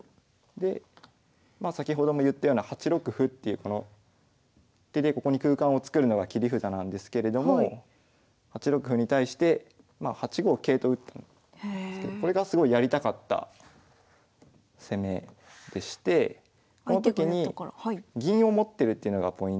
でまあ先ほども言ったような８六歩っていうこの手でここに空間を作るのが切り札なんですけれども８六歩に対してまあ８五桂と打ったんですけどこれがすごいやりたかった攻めでしてこのときに銀を持ってるっていうのがポイントで。